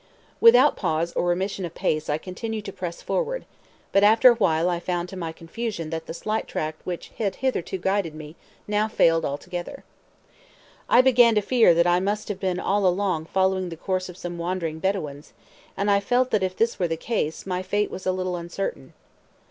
Without pause or remission of pace I continued to press forward, but after a while I found to my confusion that the slight track which had hitherto guided me now failed altogether. I began to fear that I must have been all along following the course of some wandering Bedouins, and I felt that if this were the case, my fate was a little uncertain.